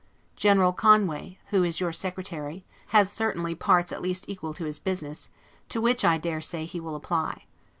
General Conway, who is your Secretary, has certainly parts at least equal to his business, to which, I dare say, he will apply.